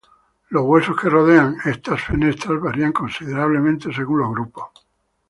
Los huesos que rodean estas fenestras varían considerablemente según los grupos.